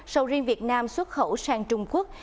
sầu riêng việt nam xuất khẩu sang trung quốc